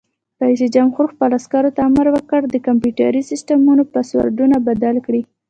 رئیس جمهور خپلو عسکرو ته امر وکړ؛ د کمپیوټري سیسټمونو پاسورډونه بدل کړئ!